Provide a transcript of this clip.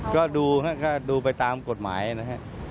ก็ดูฮะดูไปตามกฎหมายนะฮะ